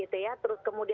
ataupun mengundurkan diri